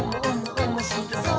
おもしろそう！」